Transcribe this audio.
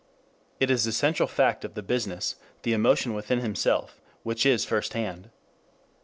It is the central fact of the business, the emotion within himself, which is first hand.